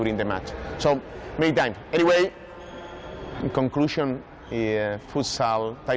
และมีรายการจากอะไรนี่